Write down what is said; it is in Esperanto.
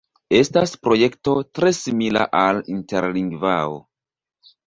Estas projekto tre simila al Interlingvao.